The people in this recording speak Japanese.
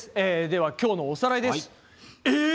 では今日のおさらいです。え！